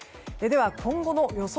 今後の予想